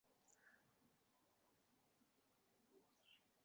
Bahor faslida boyning ham, kambag‘alning ham qabrida maysalar bir tekis qoplanadi.